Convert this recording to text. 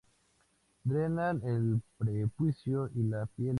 Drenan el prepucio y la piel del pene.